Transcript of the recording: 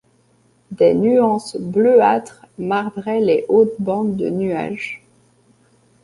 Des nuances bleuâtres marbraient les hautes bandes de nuages.